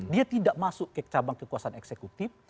dia tidak masuk ke cabang kekuasaan eksekutif